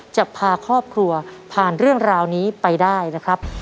จะพาครอบครัวผ่านเรื่องราวนี้ไปได้นะครับ